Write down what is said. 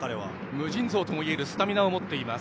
無尽蔵ともいえるスタミナを持っています。